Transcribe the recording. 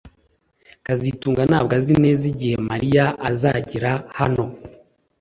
kazitunga ntabwo azi neza igihe Mariya azagera hano